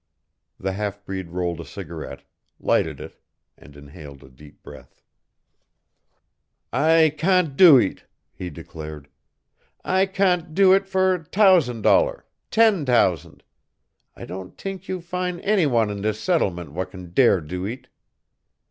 The half breed rolled a cigarette, lighted it, and inhaled a deep breath. "I can' do eet," he declared. "I can' do eet for t'ousand dollar ten t'ousand. I don't t'ink you fin' anywan on dis settlement w'at can dare do eet.